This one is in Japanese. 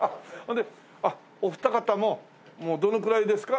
お二方もどのくらいですか？